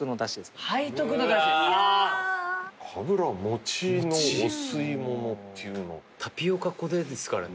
かぶらもちのお吸い物っていうのタピオカ粉でですからね